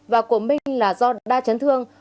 và của minh là do đa chấn thương